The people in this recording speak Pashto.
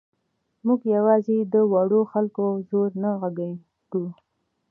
موږ یوازې د وړو خلکو ځور ته غږېږو.